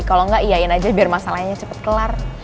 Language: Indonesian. kalo enggak iain aja biar masalahnya cepet kelar